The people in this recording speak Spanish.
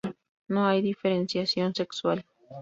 No hay diferenciación sexual.